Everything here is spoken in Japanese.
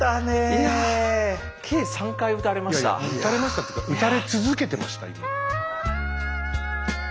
いやいや撃たれましたっていうか撃たれ続けてましたよ。